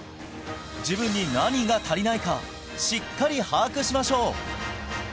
自分に何が足りないかしっかり把握しましょう